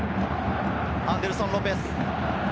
アンデルソン・ロペス。